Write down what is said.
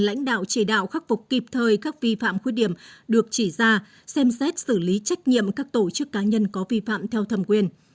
lãnh đạo chỉ đạo khắc phục kịp thời các vi phạm khuyết điểm được chỉ ra xem xét xử lý trách nhiệm các tổ chức cá nhân có vi phạm theo thẩm quyền